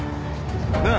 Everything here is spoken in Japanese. なあ？